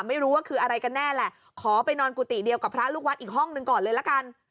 ไม่รู้ว่าคืออะไรกันแน่แหละขอไปนอนกุฏิเดียวกับพระลูกวัดอีกห้องหนึ่งก่อนเลยละกัน